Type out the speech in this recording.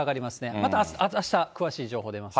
またあした、詳しい情報出ます。